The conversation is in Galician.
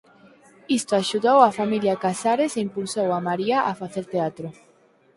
Isto axudou a familia Casares e impulsou a María a facer teatro.